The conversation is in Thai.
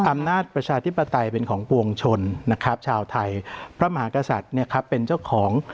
อำนาจประชาภิปไตเป็นของปวงชนชาวไทย๕๘๐๐นพระมหากศัตริรร์เป็นเจ้าของ